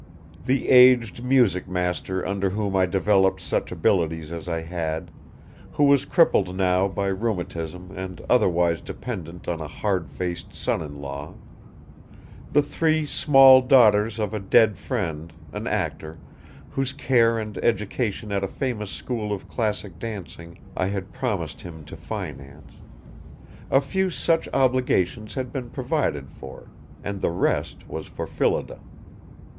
The aged music master under whom I developed such abilities as I had, who was crippled now by rheumatism and otherwise dependent on a hard faced son in law; the three small daughters of a dead friend, an actor, whose care and education at a famous school of classic dancing I had promised him to finance a few such obligations had been provided for, and the rest was for Phillida.